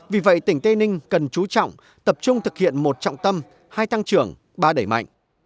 vì vậy tỉnh tây ninh cần trú trọng tập trung thực hiện một trọng tâm hai tăng trưởng ba đẩy mạnh